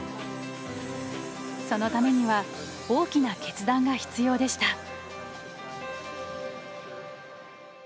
そのためには大きな決断が必要でした。